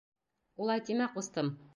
Улай тимә, ҡустым!